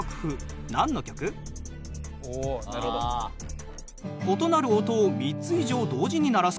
おおなるほど。